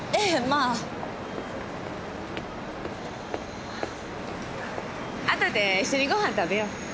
あとで一緒にご飯食べよう。